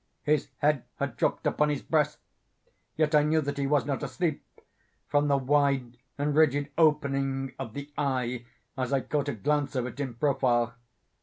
His head had dropped upon his breast—yet I knew that he was not asleep, from the wide and rigid opening of the eye as I caught a glance of it in profile.